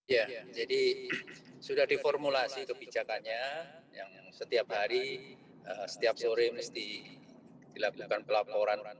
ya jadi sudah diformulasi kebijakannya yang setiap hari setiap sore mesti dilakukan pelaporan